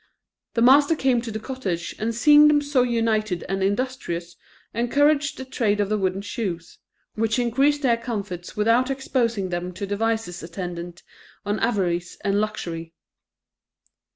The master came to the cottage, and seeing them so united and industrious, encouraged the trade of the wooden shoes, which increased their comforts without exposing them to the vices attendant on avarice and luxury.